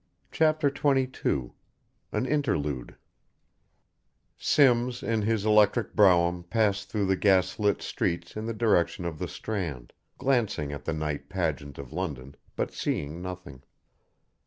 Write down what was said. CHAPTER XXII AN INTERLUDE Simms in his electric brougham passed through the gas lit streets in the direction of the Strand, glancing at the night pageant of London, but seeing nothing.